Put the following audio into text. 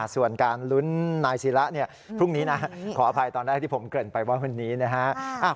ส่วนการลุ้นนายศิระพรุ่งนี้นะขออภัยตอนแรกที่ผมเกริ่นไปว่าวันนี้นะฮะ